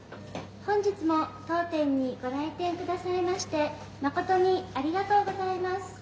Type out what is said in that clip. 本日も当店にご来店下さいましてまことにありがとうございます。